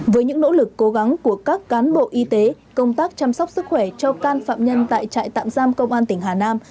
với những nỗ lực cố gắng của các cán bộ y tế công tác chăm sóc sức khỏe cho can phạm nhân tại trại tạm giam công an tỉnh hà nam